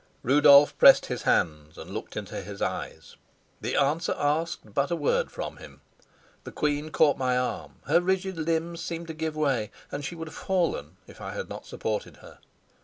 Rudolf pressed his hands and looked into his eyes. The answer asked but a word from him. The queen caught my arm; her rigid limbs seemed to give way, and she would have fallen if I had not supported her.